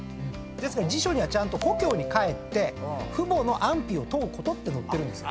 ですから辞書にはちゃんと故郷に帰って父母の安否を問うことって載ってるんですよ。